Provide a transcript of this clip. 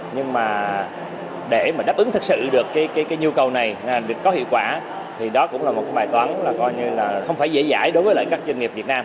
nhưng mà để mà đáp ứng thật sự được cái nhu cầu này để có hiệu quả thì đó cũng là một bài toán là coi như là không phải dễ dãi đối với các doanh nghiệp việt nam